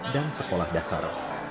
dan sekolah dasar